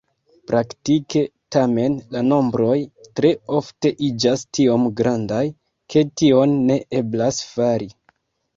Praktike, tamen, la nombroj tre ofte iĝas tiom grandaj, ke tion ne eblas fari.